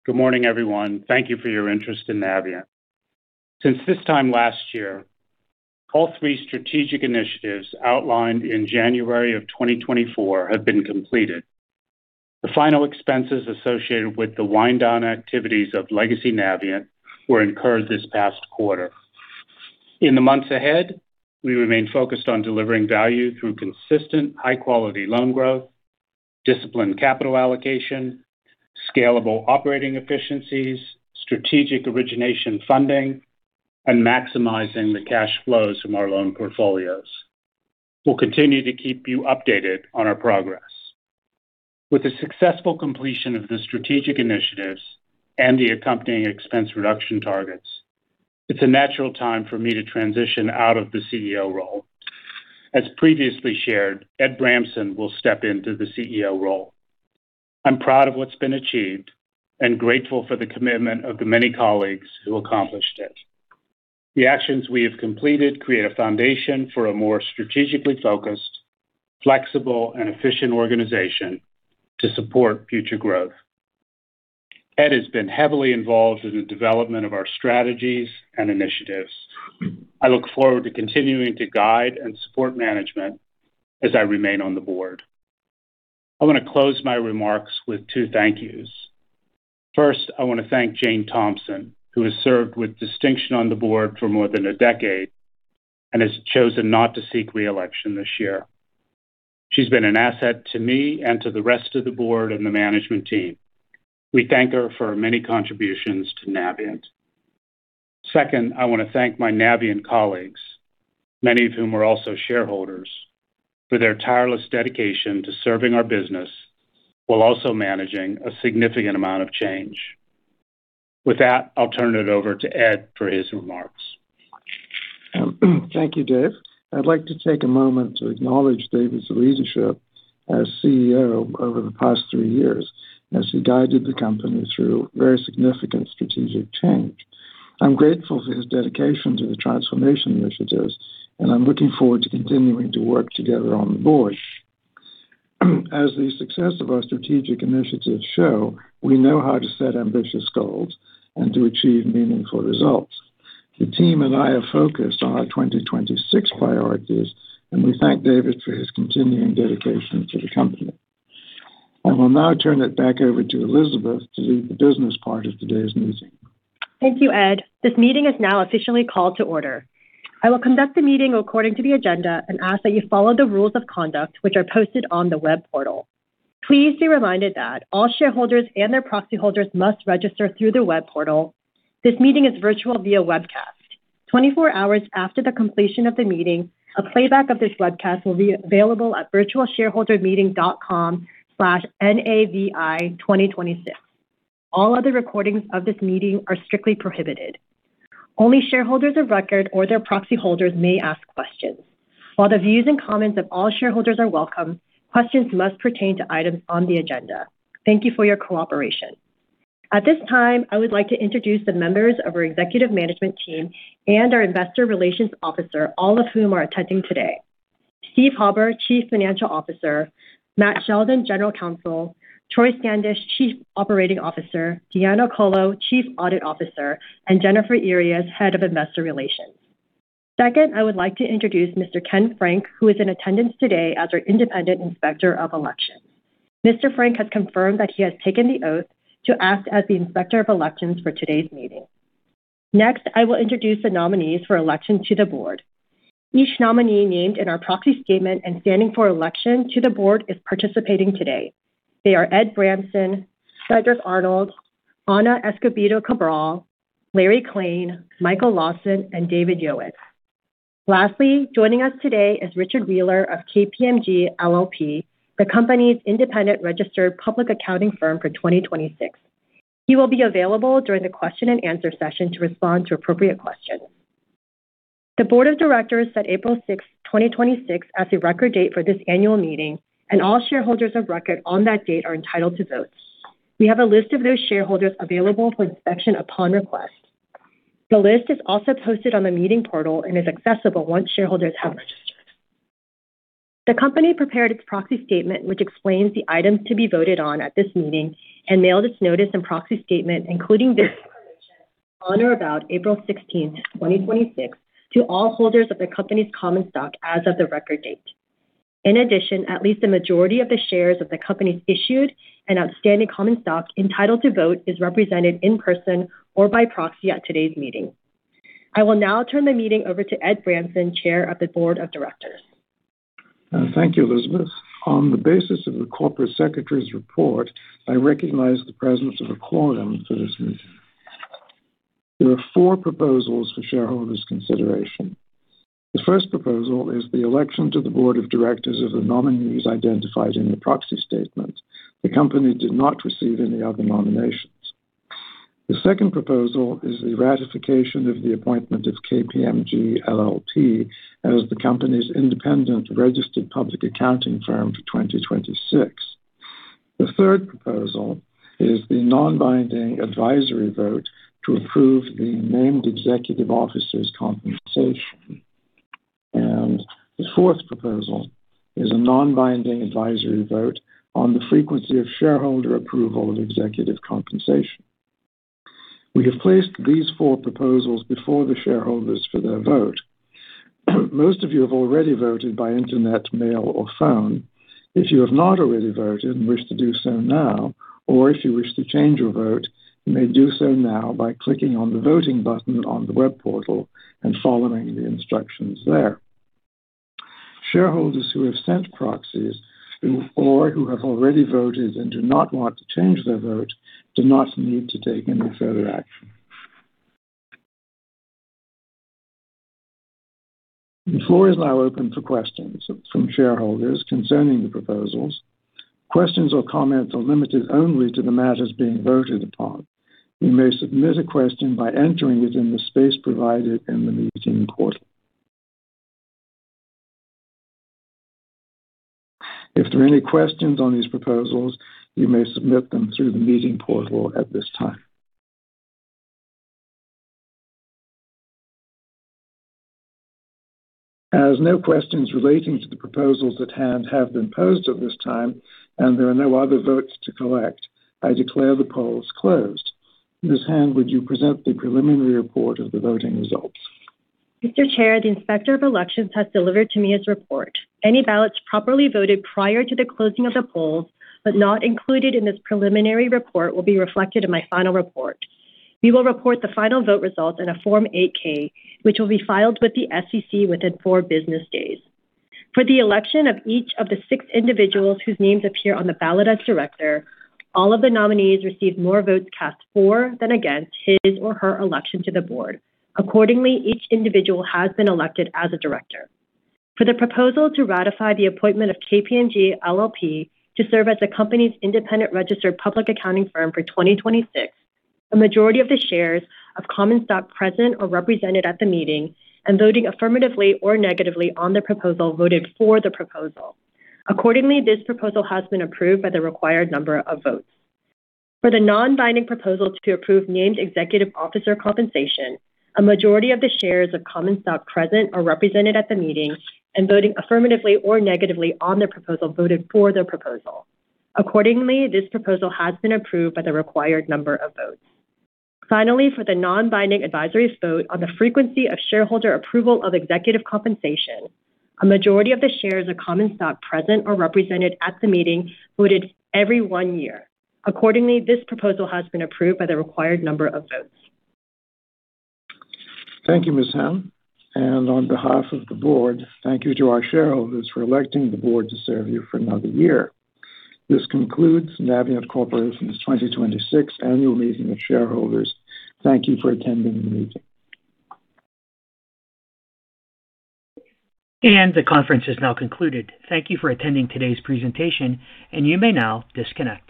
Good morning, everyone. Thank you for your interest in Navient. Since this time last year, all three strategic initiatives outlined in January of 2024 have been completed. The final expenses associated with the wind-down activities of Legacy Navient were incurred this past quarter. In the months ahead, we remain focused on delivering value through consistent high-quality loan growth, disciplined capital allocation, scalable operating efficiencies, strategic origination funding, and maximizing the cash flows from our loan portfolios. We'll continue to keep you updated on our progress. With the successful completion of the strategic initiatives and the accompanying expense reduction targets, it's a natural time for me to transition out of the CEO role. As previously shared, Ed Bramson will step into the CEO role. I'm proud of what's been achieved and grateful for the commitment of the many colleagues who accomplished it. The actions we have completed create a foundation for a more strategically focused, flexible, and efficient organization to support future growth. Ed has been heavily involved in the development of our strategies and initiatives. I look forward to continuing to guide and support management as I remain on the board. I want to close my remarks with two thank yous. First, I want to thank Jane Thompson, who has served with distinction on the board for more than a decade and has chosen not to seek re-election this year. She's been an asset to me and to the rest of the board and the management team. We thank her for her many contributions to Navient. Second, I want to thank my Navient colleagues, many of whom are also shareholders, for their tireless dedication to serving our business while also managing a significant amount of change. With that, I'll turn it over to Ed for his remarks. Thank you, Dave. I'd like to take a moment to acknowledge David's leadership as CEO over the past three years as he guided the company through very significant strategic change. I'm grateful for his dedication to the transformation initiatives. I'm looking forward to continuing to work together on the board. As the success of our strategic initiatives show, we know how to set ambitious goals and to achieve meaningful results. The team and I are focused on our 2026 priorities. We thank David for his continuing dedication to the company. I will now turn it back over to Elizabeth to lead the business part of today's meeting. Thank you, Ed. This meeting is now officially called to order. I will conduct the meeting according to the agenda and ask that you follow the rules of conduct, which are posted on the web portal. Please be reminded that all shareholders and their proxy holders must register through the web portal. This meeting is virtual via webcast. 24 hours after the completion of the meeting, a playback of this webcast will be available at www.virtualshareholdermeeting.com/navi2026. All other recordings of this meeting are strictly prohibited. Only shareholders of record or their proxy holders may ask questions. While the views and comments of all shareholders are welcome, questions must pertain to items on the agenda. Thank you for your cooperation. At this time, I would like to introduce the members of our executive management team and our Investor Relations Officer, all of whom are attending today. Steve Hauber, Chief Financial Officer, Matt Sheldon, General Counsel, Troy Standish, Chief Operating Officer, Deanna Coloe, Chief Audit Officer, and Jennifer Earyes, Head of Investor Relations. I would like to introduce Mr. Ken Frank, who is in attendance today as our Independent Inspector of Elections. Mr. Frank has confirmed that he has taken the oath to act as the Inspector of Elections for today's meeting. I will introduce the nominees for election to the board. Each nominee named in our proxy statement and standing for election to the board is participating today. They are Ed Bramson, Frederick Arnold, Anna Escobedo Cabral, Larry Klane, Michael Lawson, and David Yowan. Joining us today is Richard Wheeler of KPMG LLP, the company's independent registered public accounting firm for 2026. He will be available during the question and answer session to respond to appropriate questions. The board of directors set April 6, 2026, as the record date for this annual meeting. All shareholders of record on that date are entitled to vote. We have a list of those shareholders available for inspection upon request. The list is also posted on the meeting portal and is accessible once shareholders have registered. The company prepared its proxy statement, which explains the items to be voted on at this meeting, mailed its notice and proxy statement, including this information, on or about April 16, 2026, to all holders of the company's common stock as of the record date. In addition, at least the majority of the shares of the company's issued and outstanding common stock entitled to vote is represented in person or by proxy at today's meeting. I will now turn the meeting over to Ed Bramson, Chair of the Board of Directors. Thank you, Elizabeth. On the basis of the Corporate Secretary's report, I recognize the presence of a quorum for this meeting. There are four proposals for shareholders' consideration. The first proposal is the election to the board of directors of the nominees identified in the proxy statement. The company did not receive any other nominations. The second proposal is the ratification of the appointment of KPMG LLP as the company's independent registered public accounting firm for 2026. The third proposal is the non-binding advisory vote to approve the named executive officer's compensation. The fourth proposal is a non-binding advisory vote on the frequency of shareholder approval of executive compensation. We have placed these four proposals before the shareholders for their vote. Most of you have already voted by internet, mail, or phone. If you have not already voted and wish to do so now, or if you wish to change your vote, you may do so now by clicking on the voting button on the web portal and following the instructions there. Shareholders who have sent proxies or who have already voted and do not want to change their vote do not need to take any further action. The floor is now open for questions from shareholders concerning the proposals. Questions or comments are limited only to the matters being voted upon. You may submit a question by entering it in the space provided in the meeting portal. If there are any questions on these proposals, you may submit them through the meeting portal at this time. No questions relating to the proposals at hand have been posed at this time, and there are no other votes to collect, I declare the polls closed. Ms. Han, would you present the preliminary report of the voting results? Mr. Chair, the Inspector of Elections has delivered to me his report. Any ballots properly voted prior to the closing of the polls, but not included in this preliminary report, will be reflected in my final report. We will report the final vote results in a Form 8-K, which will be filed with the SEC within four business days. For the election of each of the six individuals whose names appear on the ballot as director, all of the nominees received more votes cast for than against his or her election to the board. Accordingly, each individual has been elected as a director. For the proposal to ratify the appointment of KPMG LLP to serve as the company's independent registered public accounting firm for 2026, a majority of the shares of common stock present or represented at the meeting and voting affirmatively or negatively on the proposal, voted for the proposal. Accordingly, this proposal has been approved by the required number of votes. For the non-binding proposal to approve named executive officer compensation, a majority of the shares of common stock present or represented at the meeting and voting affirmatively or negatively on the proposal, voted for the proposal. Accordingly, this proposal has been approved by the required number of votes. Finally, for the non-binding advisory vote on the frequency of shareholder approval of executive compensation, a majority of the shares of common stock present or represented at the meeting voted every one year. Accordingly, this proposal has been approved by the required number of votes. Thank you, Ms. Han. On behalf of the board, thank you to our shareholders for electing the board to serve you for another year. This concludes Navient Corporation's 2026 Annual Meeting of Shareholders. Thank you for attending the meeting. The conference is now concluded. Thank you for attending today's presentation, and you may now disconnect.